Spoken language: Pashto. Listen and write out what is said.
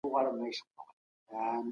هغه ژر د نورو تر اغیز لاندې راځي.